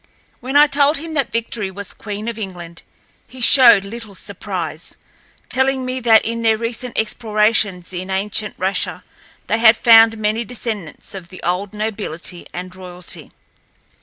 When I told him that Victory was Queen of England he showed little surprise, telling me that in their recent explorations in ancient Russia they had found many descendants of the old nobility and royalty.